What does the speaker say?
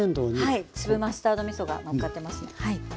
はい粒マスタードみそがのっかってます。